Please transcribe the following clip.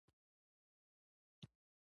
دا د هارو ویلډ قضیې له امله کیدای شي